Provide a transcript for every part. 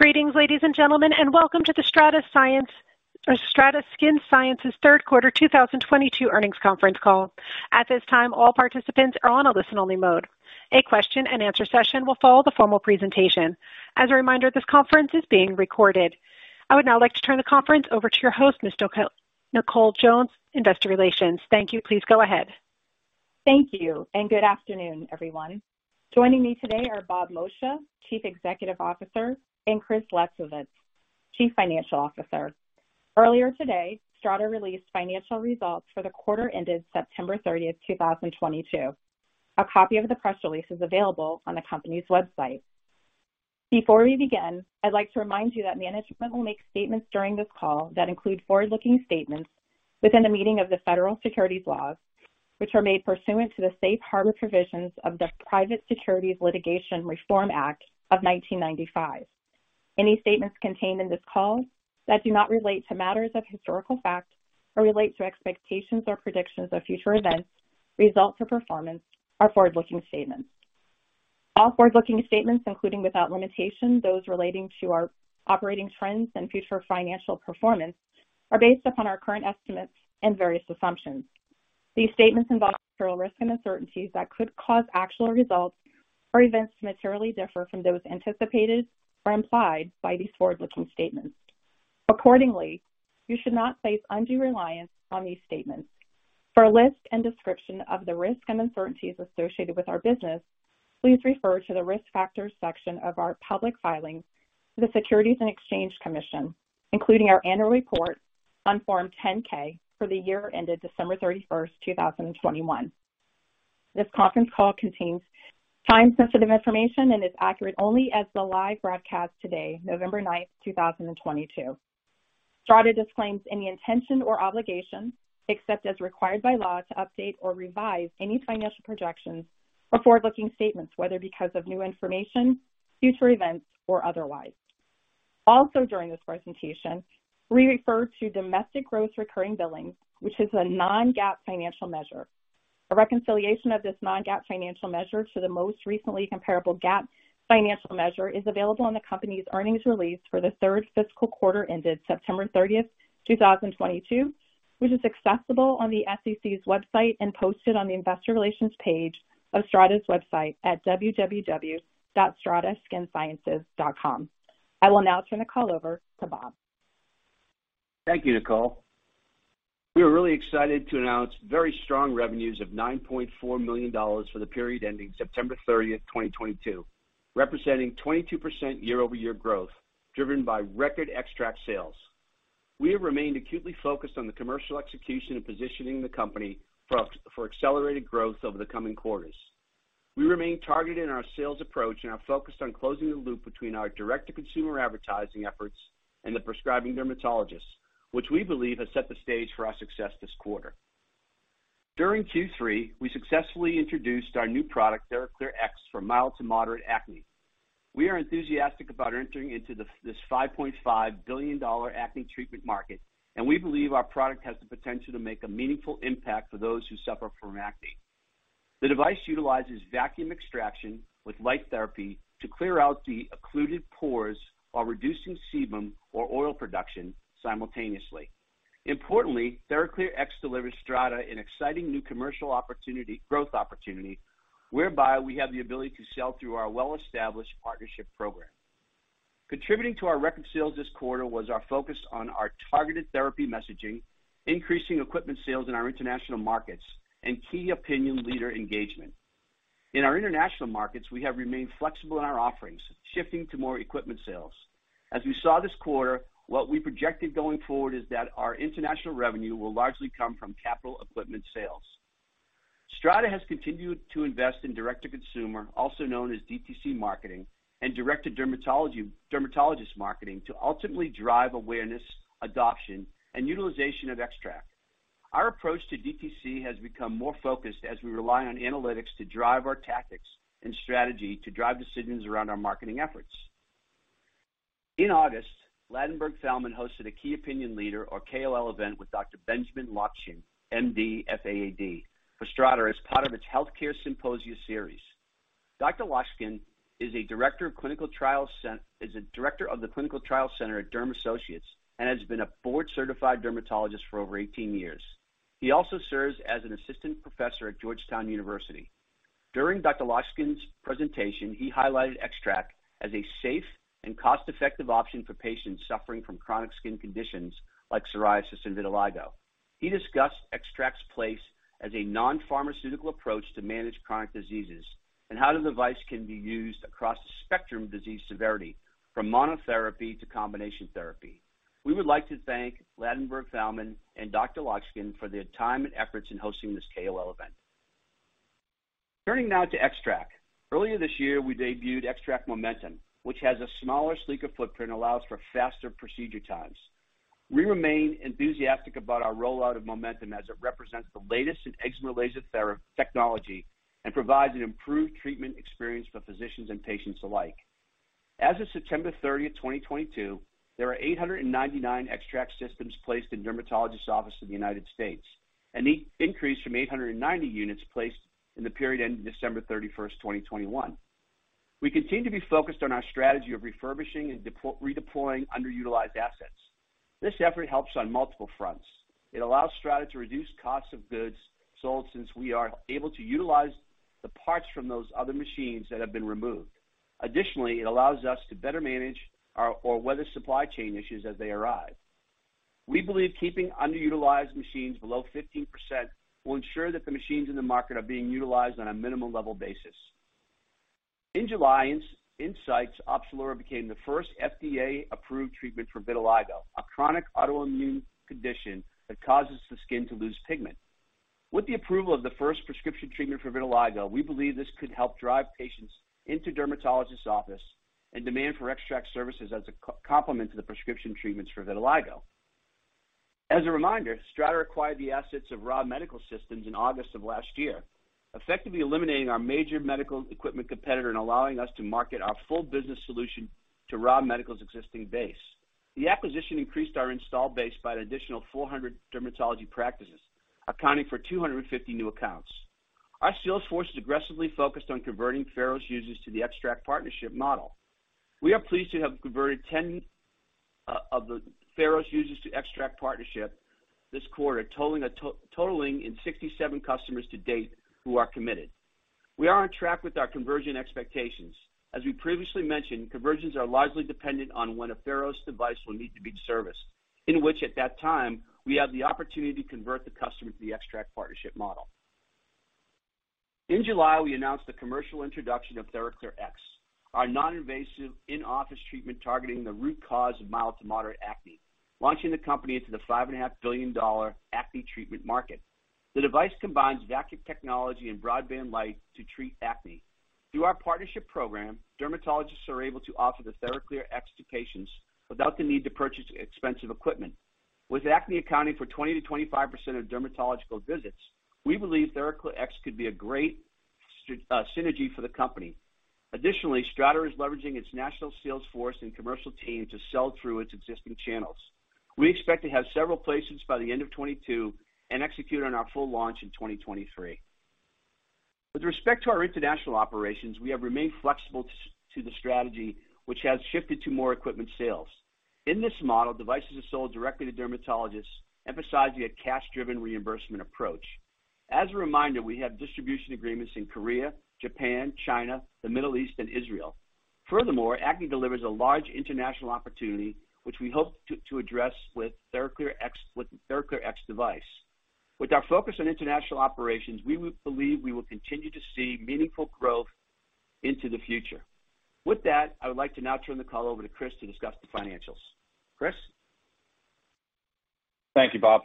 Greetings, ladies and gentlemen, and welcome to the STRATA Skin Sciences third quarter 2022 earnings conference call. At this time, all participants are on a listen-only mode. A question-and-answer session will follow the formal presentation. As a reminder, this conference is being recorded. I would now like to turn the conference over to your host, Ms. Nicole Jones, Investor Relations. Thank you. Please go ahead. Thank you, and good afternoon, everyone. Joining me today are Bob Moccia, Chief Executive Officer, and Chris Lesovitz, Chief Financial Officer. Earlier today, STRATA released financial results for the quarter ended September 30th, 2022. A copy of the press release is available on the company's website. Before we begin, I'd like to remind you that management will make statements during this call that include forward-looking statements within the meaning of the federal securities laws, which are made pursuant to the Safe Harbor provisions of the Private Securities Litigation Reform Act of 1995. Any statements contained in this call that do not relate to matters of historical fact or relate to expectations or predictions of future events, results or performance are forward-looking statements. All forward-looking statements, including without limitation those relating to our operating trends and future financial performance, are based upon our current estimates and various assumptions. These statements involve several risks and uncertainties that could cause actual results or events to materially differ from those anticipated or implied by these forward-looking statements. Accordingly, you should not place undue reliance on these statements. For a list and description of the risks and uncertainties associated with our business, please refer to the Risk Factors section of our public filings with the Securities and Exchange Commission, including our annual report on Form 10-K for the year ended December 31st, 2021. This conference call contains time-sensitive information and is accurate only as of the live broadcast today, November 9th, 2022. STRATA disclaims any intention or obligation, except as required by law, to update or revise any financial projections or forward-looking statements, whether because of new information, future events, or otherwise. Also during this presentation, we refer to domestic gross recurring billings, which is a Non-GAAP financial measure. A reconciliation of this Non-GAAP financial measure to the most recently comparable GAAP financial measure is available in the company's earnings release for the third fiscal quarter ended September 30th, 2022, which is accessible on the SEC's website and posted on the Investor Relations page of STRATA's website at www.strataskinsciences.com. I will now turn the call over to Bob. Thank you, Nicole. We are really excited to announce very strong revenues of $9.4 million for the period ending September 30th, 2022, representing 22% year-over-year growth driven by record XTRAC sales. We have remained acutely focused on the commercial execution and positioning the company for accelerated growth over the coming quarters. We remain targeted in our sales approach and are focused on closing the loop between our direct-to-consumer advertising efforts and the prescribing dermatologists, which we believe has set the stage for our success this quarter. During Q3, we successfully introduced our new product, TheraClearX, for mild to moderate acne. We are enthusiastic about entering into this $5.5 billion acne treatment market, and we believe our product has the potential to make a meaningful impact for those who suffer from acne. The device utilizes vacuum extraction with light therapy to clear out the occluded pores while reducing sebum or oil production simultaneously. Importantly, TheraClearX delivers STRATA an exciting new commercial opportunity, growth opportunity whereby we have the ability to sell through our well-established partnership program. Contributing to our record sales this quarter was our focus on our targeted therapy messaging, increasing equipment sales in our international markets, and key opinion leader engagement. In our international markets, we have remained flexible in our offerings, shifting to more equipment sales. As we saw this quarter, what we projected going forward is that our international revenue will largely come from capital equipment sales. STRATA has continued to invest in direct-to-consumer, also known as DTC marketing, and direct to dermatology, dermatologist marketing to ultimately drive awareness, adoption, and utilization of XTRAC. Our approach to DTC has become more focused as we rely on analytics to drive our tactics and strategy to drive decisions around our marketing efforts. In August, Ladenburg Thalmann hosted a key opinion leader or KOL event with Dr. Benjamin Lockshin, MD, FAAD for STRATA as part of its healthcare symposia series. Dr. Lockshin is a director of the clinical trials center at Dermatology Associates and has been a board-certified dermatologist for over 18 years. He also serves as an assistant professor at Georgetown University. During Dr. Lockshin's presentation, he highlighted XTRAC as a safe and cost-effective option for patients suffering from chronic skin conditions like psoriasis and vitiligo. He discussed XTRAC's place as a non-pharmaceutical approach to manage chronic diseases and how the device can be used across the spectrum of disease severity, from monotherapy to combination therapy. We would like to thank Ladenburg Thalmann and Dr. Lockshin for their time and efforts in hosting this KOL event. Turning now to XTRAC. Earlier this year, we debuted XTRAC Momentum, which has a smaller, sleeker footprint and allows for faster procedure times. We remain enthusiastic about our rollout of Momentum as it represents the latest in excimer laser technology and provides an improved treatment experience for physicians and patients alike. As of September 30th, 2022, there are 899 XTRAC systems placed in dermatologist offices in the United States. An increase from 890 units placed in the period ending December 31st, 2021. We continue to be focused on our strategy of refurbishing and redeploying underutilized assets. This effort helps on multiple fronts. It allows STRATA to reduce costs of goods sold since we are able to utilize the parts from those other machines that have been removed. Additionally, it allows us to better manage our overall supply chain issues as they arise. We believe keeping underutilized machines below 15% will ensure that the machines in the market are being utilized on a minimum level basis. In July, Incyte's Opzelura became the first FDA-approved treatment for vitiligo, a chronic autoimmune condition that causes the skin to lose pigment. With the approval of the first prescription treatment for vitiligo, we believe this could help drive patients into dermatologist's office and demand for XTRAC services as a complement to the prescription treatments for vitiligo. As a reminder, STRATA acquired the assets of Ra Medical Systems in August of last year, effectively eliminating our major medical equipment competitor and allowing us to market our full business solution to Ra Medical's existing base. The acquisition increased our install base by an additional 400 dermatology practices, accounting for 250 new accounts. Our sales force is aggressively focused on converting Pharos users to the XTRAC partnership model. We are pleased to have converted 10 of the Pharos users to XTRAC partnership this quarter, totaling 67 customers to date who are committed. We are on track with our conversion expectations. As we previously mentioned, conversions are largely dependent on when a Pharos device will need to be serviced, in which at that time, we have the opportunity to convert the customer to the XTRAC partnership model. In July, we announced the commercial introduction of TheraClearX, our non-invasive in-office treatment targeting the root cause of mild to moderate acne, launching the company into the $5.5 billion acne treatment market. The device combines vacuum technology and broadband light to treat acne. Through our partnership program, dermatologists are able to offer the TheraClearX to patients without the need to purchase expensive equipment. With acne accounting for 20%-25% of dermatological visits, we believe TheraClearX could be a great synergy for the company. Additionally, STRATA is leveraging its national sales force and commercial team to sell through its existing channels. We expect to have several placements by the end of 2022 and execute on our full launch in 2023. With respect to our international operations, we have remained flexible to the strategy which has shifted to more equipment sales. In this model, devices are sold directly to dermatologists, emphasizing a cash-driven reimbursement approach. As a reminder, we have distribution agreements in Korea, Japan, China, the Middle East and Israel. Furthermore, acne delivers a large international opportunity, which we hope to address with TheraClearX device. With our focus on international operations, we will believe we will continue to see meaningful growth into the future. With that, I would like to now turn the call over to Chris to discuss the financials. Chris? Thank you, Bob.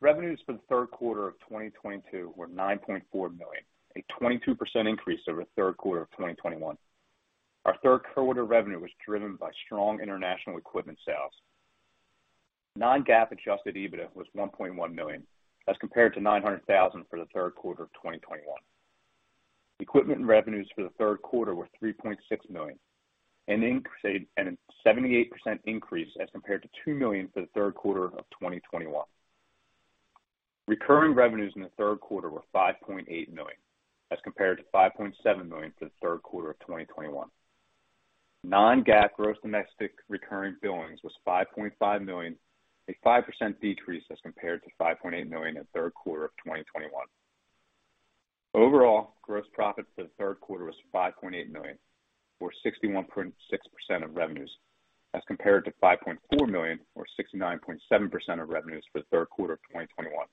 Revenues for the third quarter of 2022 were $9.4 million, a 22% increase over the third quarter of 2021. Our third quarter revenue was driven by strong international equipment sales. Non-GAAP adjusted EBITDA was $1.1 million, as compared to $900,000 for the third quarter of 2021. Equipment and revenues for the third quarter were $3.6 million, a 78% increase as compared to $2 million for the third quarter of 2021. Recurring revenues in the third quarter were $5.8 million as compared to $5.7 million for the third quarter of 2021. Non-GAAP gross domestic recurring billings was $5.5 million, a 5% decrease as compared to $5.8 million in the third quarter of 2021. Overall, gross profit for the third quarter was $5.8 million or 61.6% of revenues as compared to $5.4 million or 69.7% of revenues for the third quarter of 2021.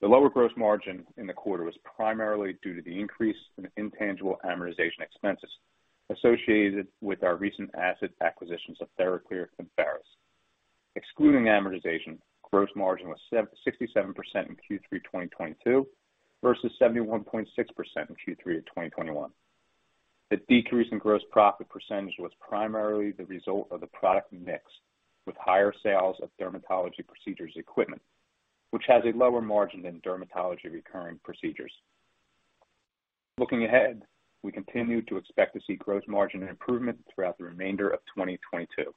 The lower gross margin in the quarter was primarily due to the increase in intangible amortization expenses associated with our recent asset acquisitions of TheraClear and Pharos. Excluding amortization, gross margin was 67% in Q3 of 2022 versus 71.6% in Q3 of 2021. The decrease in gross profit percentage was primarily the result of the product mix, with higher sales of dermatology procedures equipment, which has a lower margin than dermatology recurring procedures. Looking ahead, we continue to expect to see gross margin improvement throughout the remainder of 2022.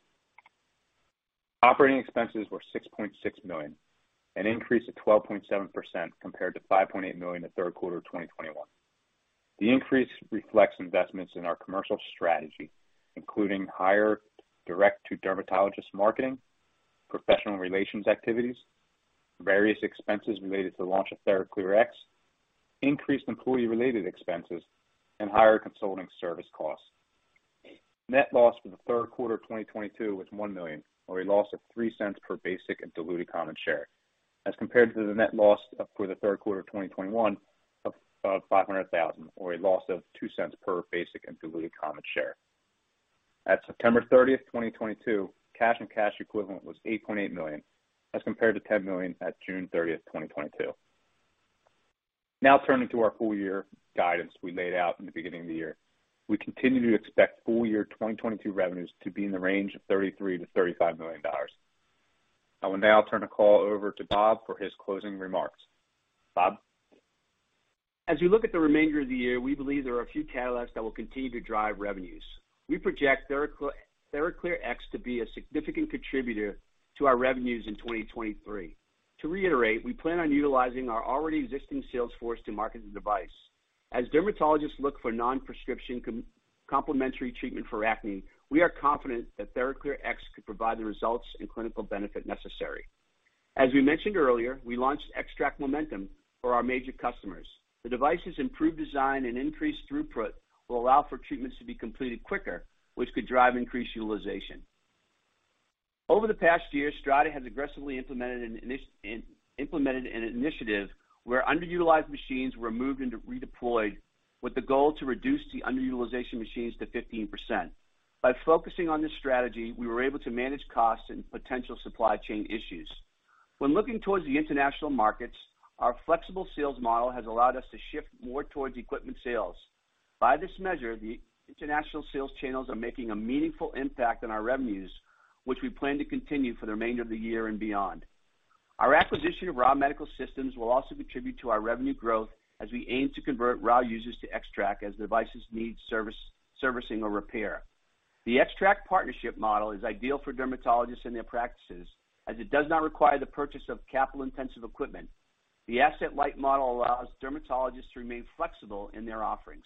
Operating expenses were $6.6 million, an increase of 12.7% compared to $5.8 million in the third quarter of 2021. The increase reflects investments in our commercial strategy, including higher direct-to-dermatologist marketing, professional relations activities, various expenses related to the launch of TheraClearX, increased employee-related expenses, and higher consulting service costs. Net loss for the third quarter of 2022 was $1 million, or a loss of $0.03 per basic and diluted common share, as compared to the net loss for the third quarter of 2021 of $500,000, or a loss of $0.02 per basic and diluted common share. At September 30th, 2022, cash and cash equivalents was $8.8 million, as compared to $10 million at June 30, 2022. Now, turning to our full year guidance we laid out in the beginning of the year. We continue to expect full year 2022 revenues to be in the range of $33 million-$35 million. I will now turn the call over to Bob for his closing remarks. Bob? As we look at the remainder of the year, we believe there are a few catalysts that will continue to drive revenues. We project TheraClearX to be a significant contributor to our revenues in 2023. To reiterate, we plan on utilizing our already existing sales force to market the device. As dermatologists look for non-prescription complementary treatment for acne, we are confident that TheraClearX could provide the results and clinical benefit necessary. As we mentioned earlier, we launched XTRAC Momentum for our major customers. The device's improved design and increased throughput will allow for treatments to be completed quicker, which could drive increased utilization. Over the past year, STRATA has aggressively implemented an initiative where underutilized machines were moved and redeployed with the goal to reduce the underutilization machines to 15%. By focusing on this strategy, we were able to manage costs and potential supply chain issues. When looking towards the international markets, our flexible sales model has allowed us to shift more towards equipment sales. By this measure, the international sales channels are making a meaningful impact on our revenues, which we plan to continue for the remainder of the year and beyond. Our acquisition of Ra Medical Systems will also contribute to our revenue growth as we aim to convert Ra users to XTRAC as devices need service, servicing or repair. The XTRAC partnership model is ideal for dermatologists and their practices as it does not require the purchase of capital-intensive equipment. The asset-light model allows dermatologists to remain flexible in their offerings.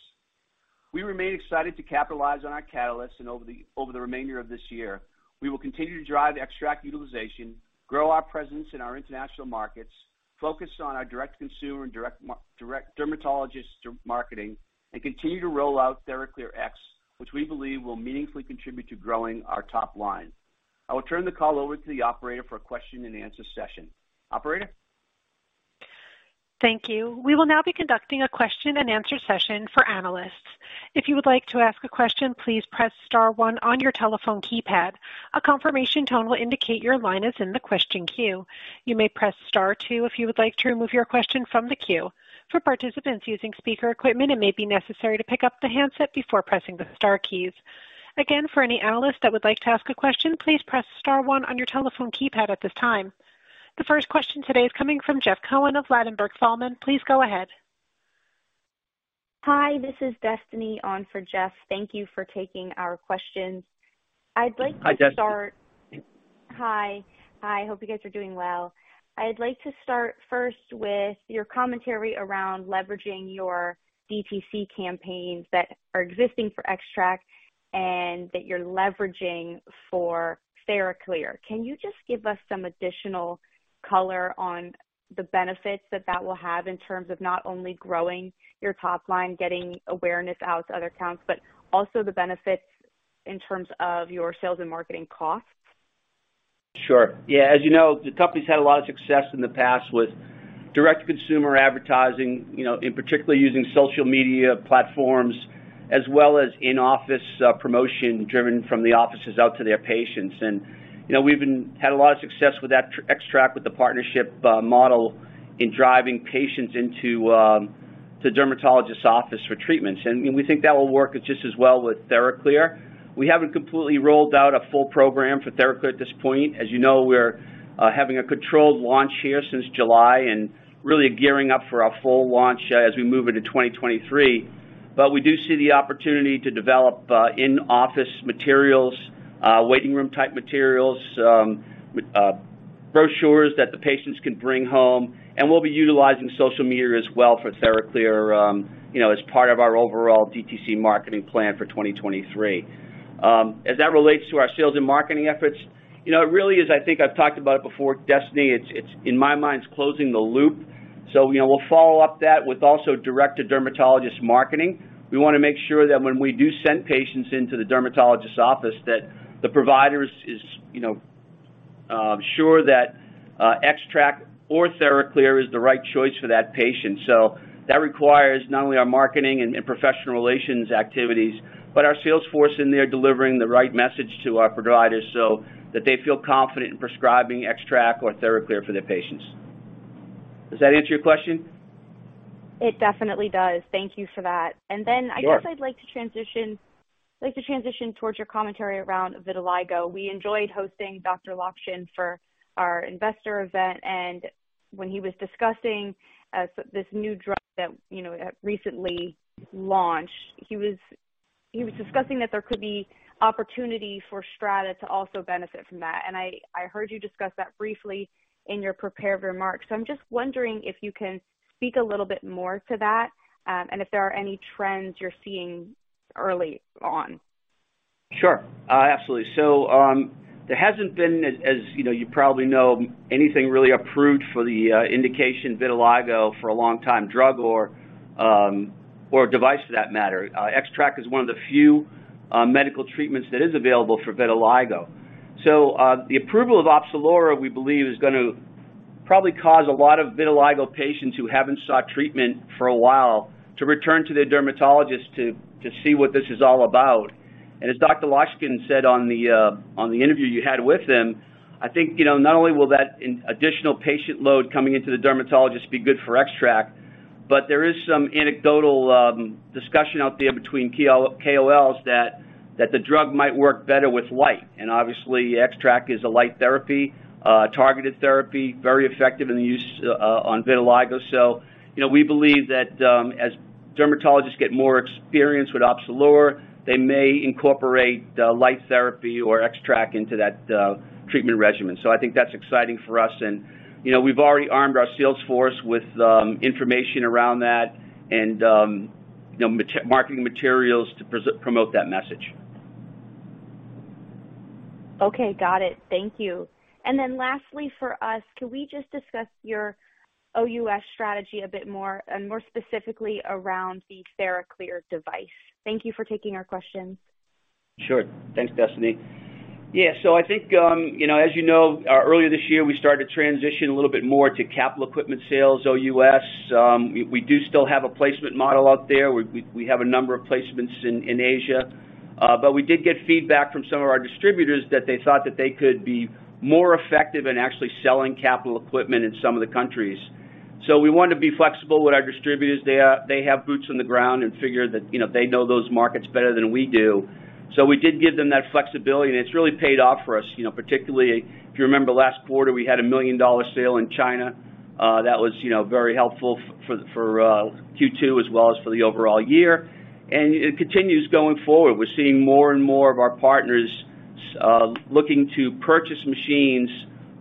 We remain excited to capitalize on our catalysts and over the remainder of this year. We will continue to drive XTRAC utilization, grow our presence in our international markets, focus on our direct consumer and direct dermatologist marketing, and continue to roll out TheraClearX, which we believe will meaningfully contribute to growing our top line. I will turn the call over to the operator for a question and answer session. Operator. Thank you. We will now be conducting a question-and-answer session for analysts. If you would like to ask a question, please press star one on your telephone keypad. A confirmation tone will indicate your line is in the question queue. You may press star two if you would like to remove your question from the queue. For participants using speaker equipment, it may be necessary to pick up the handset before pressing the star keys. Again, for any analyst that would like to ask a question, please press star one on your telephone keypad at this time. The first question today is coming from Jeff Cohen of Ladenburg Thalmann. Please go ahead. Hi, this is Destiny on for Jeff. Thank you for taking our questions. I'd like to start. Hi, Destiny. Hi. Hi. Hope you guys are doing well. I'd like to start first with your commentary around leveraging your DTC campaigns that are existing for XTRAC and that you're leveraging for TheraClear. Can you just give us some additional color on the benefits that that will have in terms of not only growing your top line, getting awareness out to other accounts, but also the benefits in terms of your sales and marketing costs? Sure. Yeah. As you know, the company's had a lot of success in the past with direct consumer advertising, you know, in particular using social media platforms as well as in-office promotion driven from the offices out to their patients. Had a lot of success with that XTRAC with the partnership model in driving patients into the dermatologist's office for treatments. We think that will work just as well with TheraClear. We haven't completely rolled out a full program for TheraClear at this point. As you know, we're having a controlled launch here since July and really gearing up for our full launch as we move into 2023. We do see the opportunity to develop in-office materials, waiting room type materials, brochures that the patients can bring home. We'll be utilizing social media as well for TheraClear, you know, as part of our overall DTC marketing plan for 2023. As that relates to our sales and marketing efforts, you know, it really is I think I've talked about it before, Destiny. It's in my mind's closing the loop. We'll follow up that with also direct to dermatologist marketing. We wanna make sure that when we do send patients into the dermatologist office, that the provider is, you know, sure that XTRAC or TheraClear is the right choice for that patient. That requires not only our marketing and professional relations activities, but our sales force in there delivering the right message to our providers so that they feel confident in prescribing XTRAC or TheraClear for their patients. Does that answer your question? It definitely does. Thank you for that. Sure. I guess I'd like to transition, like to transition towards your commentary around vitiligo. We enjoyed hosting Dr. Lockshin for our investor event, and when he was discussing this new drug that, you know, recently launched, he was discussing that there could be opportunity for Strata to also benefit from that. I heard you discuss that briefly in your prepared remarks. I'm just wondering if you can speak a little bit more to that, and if there are any trends you're seeing early on. Sure. Absolutely. There hasn't been, as you know, you probably know, anything really approved for the indication vitiligo for a long time, drug or device for that matter. XTRAC is one of the few medical treatments that is available for vitiligo. The approval of Opzelura, we believe, is gonna probably cause a lot of vitiligo patients who haven't sought treatment for a while to return to their dermatologist to see what this is all about. As Dr. Lockshin said on the interview you had with him, I think, you know, not only will that in additional patient load coming into the dermatologist be good for XTRAC, but there is some anecdotal discussion out there between KOLs that the drug might work better with light. Obviously, XTRAC is a light therapy, a targeted therapy, very effective in the use on vitiligo. You know, we believe that, as dermatologists get more experience with Opzelura, they may incorporate light therapy or XTRAC into that treatment regimen. I think that's exciting for us and, you know, we've already armed our sales force with information around that and, you know, marketing materials to promote that message. Okay, got it. Thank you. Lastly for us, can we just discuss your OUS strategy a bit more and more specifically around the TheraClear device? Thank you for taking our questions. Sure. Thanks, Destiny. Yeah. I think, you know, as you know, earlier this year, we started to transition a little bit more to capital equipment sales OUS. We do still have a placement model out there. We have a number of placements in Asia. But we did get feedback from some of our distributors that they thought that they could be more effective in actually selling capital equipment in some of the countries. We wanted to be flexible with our distributors. They have boots on the ground and figure that, you know, they know those markets better than we do. We did give them that flexibility, and it's really paid off for us. You know, particularly if you remember last quarter, we had a $1 million sale in China that was, you know, very helpful for Q2 as well as for the overall year. It continues going forward. We're seeing more and more of our partners looking to purchase machines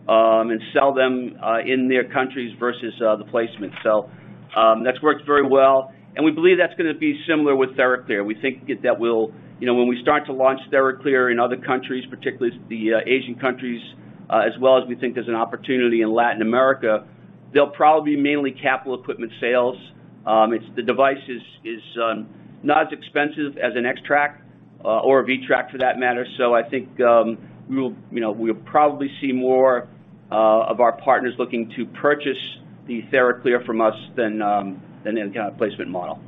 and sell them in their countries versus the placement. That's worked very well, and we believe that's gonna be similar with TheraClear. We think that we'll, you know, when we start to launch TheraClear in other countries, particularly the Asian countries as well as we think there's an opportunity in Latin America, they'll probably be mainly capital equipment sales. It's the device is not as expensive as an XTRAC or a VTRAC for that matter. I think we will, you know, we'll probably see more of our partners looking to purchase the TheraClear from us than any kind of placement model.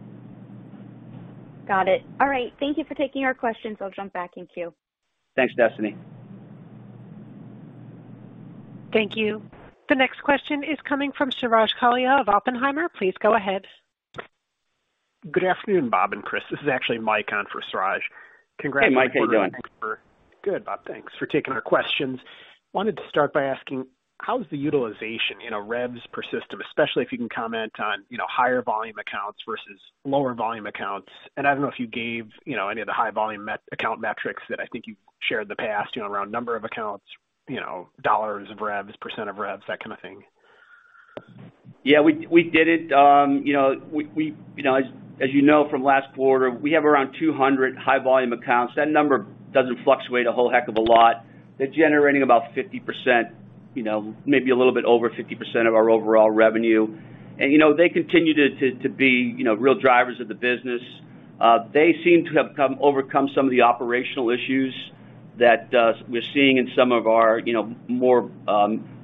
Got it. All right. Thank you for taking our questions. I'll jump back in queue. Thanks, Destiny. Thank you. The next question is coming from Suraj Kalia of Oppenheimer. Please go ahead. Good afternoon, Bob and Chris. This is actually Mike on for Suraj. Hey, Mike. How you doing? Good, Bob. Thanks for taking our questions. Wanted to start by asking, how's the utilization in average revs per system, especially if you can comment on, you know, higher volume accounts versus lower volume accounts. I don't know if you gave, you know, any of the high volume account metrics that I think you've shared in the past, you know, around number of accounts, you know, dollars of revs, percent of revs, that kind of thing. Yeah, we did it. You know, as you know from last quarter, we have around 200 high volume accounts. That number doesn't fluctuate a whole heck of a lot. They're generating about 50%, you know, maybe a little bit over 50% of our overall revenue. You know, they continue to be, you know, real drivers of the business. They seem to have overcome some of the operational issues that we're seeing in some of our, you know, more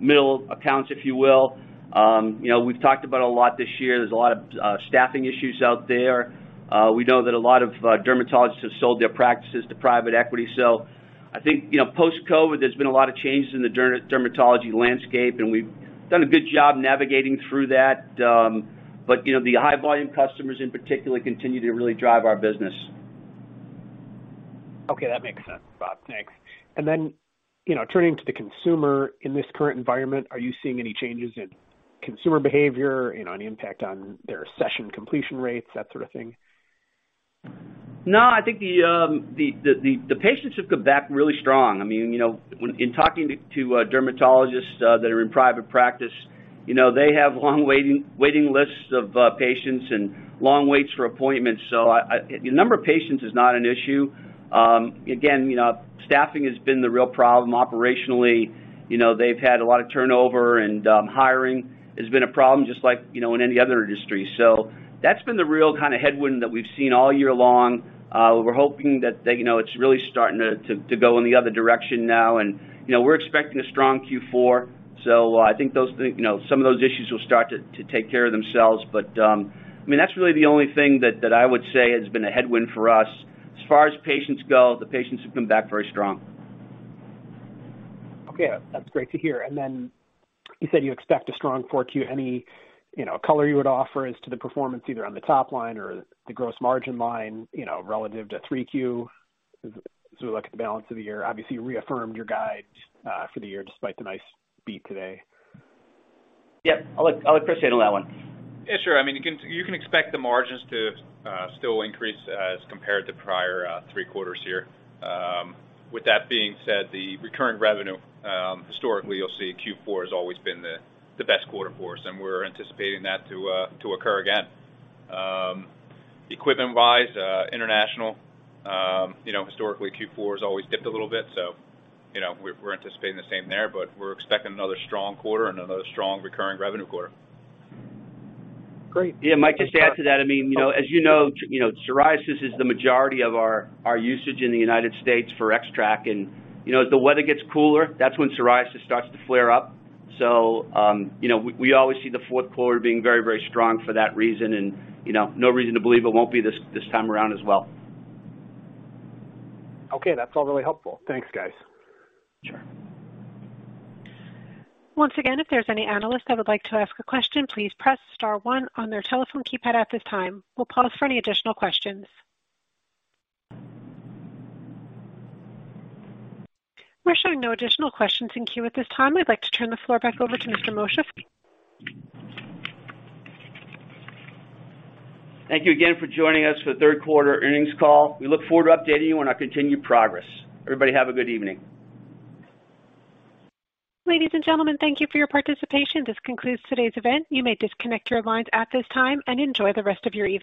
middle accounts, if you will. You know, we've talked about a lot this year. There's a lot of staffing issues out there. We know that a lot of dermatologists have sold their practices to private equity. I think, you know, post-COVID, there's been a lot of changes in the dermatology landscape, and we've done a good job navigating through that. You know, the high volume customers in particular continue to really drive our business. Okay. That makes sense, Bob. Thanks. You know, turning to the consumer, in this current environment, are you seeing any changes in consumer behavior, you know, any impact on their session completion rates, that sort of thing? No, I think the patients have come back really strong. I mean, you know, in talking to dermatologists that are in private practice, you know, they have long waiting lists of patients and long waits for appointments. The number of patients is not an issue. Again, you know, staffing has been the real problem operationally. You know, they've had a lot of turnover, and hiring has been a problem just like, you know, in any other industry. So that's been the real kinda headwind that we've seen all year long. We're hoping that, you know, it's really starting to go in the other direction now. you know, we're expecting a strong Q4, so I think those things, you know, some of those issues will start to take care of themselves. I mean, that's really the only thing that I would say has been a headwind for us. As far as patients go, the patients have come back very strong. Okay. That's great to hear. You said you expect a strong 4Q. Any, you know, color you would offer as to the performance either on the top line or the gross margin line, you know, relative to 3Q as we look at the balance of the year. Obviously, you reaffirmed your guide for the year despite the nice beat today. Yep. I'll let Chris handle that one. Yeah, sure. I mean, you can expect the margins to still increase as compared to prior three quarters here. With that being said, the recurring revenue historically, you'll see Q4 has always been the best quarter for us, and we're anticipating that to occur again. Equipment-wise, international, you know, historically, Q4 has always dipped a little bit, so, you know, we're anticipating the same there, but we're expecting another strong quarter and another strong recurring revenue quarter. Great. Yeah, Mike, just to add to that, I mean, you know, as you know, you know, psoriasis is the majority of our usage in the United States for XTRAC. You know, as the weather gets cooler, that's when psoriasis starts to flare up. You know, we always see the fourth quarter being very, very strong for that reason and, you know, no reason to believe it won't be this time around as well. Okay. That's all really helpful. Thanks, guys. Sure. Once again, if there's any analyst that would like to ask a question, please press star one on their telephone keypad at this time. We'll pause for any additional questions. We're showing no additional questions in queue at this time. We'd like to turn the floor back over to Mr. Moccia. Thank you again for joining us for the third quarter earnings call. We look forward to updating you on our continued progress. Everybody have a good evening. Ladies and gentlemen, thank you for your participation. This concludes today's event. You may disconnect your lines at this time and enjoy the rest of your evening.